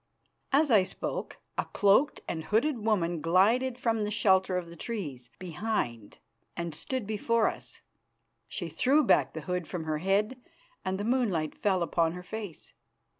As I spoke a cloaked and hooded woman glided from the shelter of the trees behind and stood before us. She threw back the hood from her head and the moonlight fell upon her face.